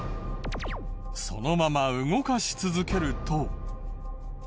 そのまま動かし続けると。